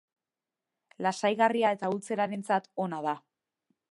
Lasaigarria eta ultzerarentzat ona da.